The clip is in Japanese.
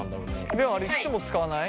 レオンあれいつも使わない？